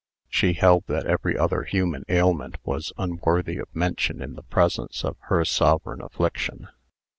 She held that every other human ailment was unworthy of mention in the presence of her sovereign affliction.